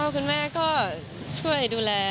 คุณพ่อคุณแม่ก็ช่วยดูแล